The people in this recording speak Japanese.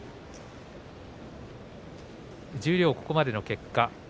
十両、ここまでの結果。